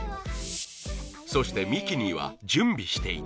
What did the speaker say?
そしてミキには準備していたものが